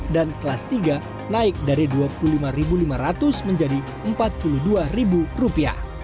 dan kelas tiga naik dari rp dua puluh lima lima ratus menjadi rp empat puluh dua